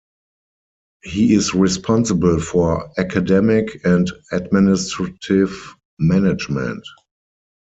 He is responsible for academic and administrative management.